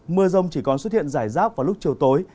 mưa rông chỉ còn xuất hiện rải rác vào lúc chiều tối